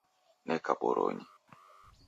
Neka boronyi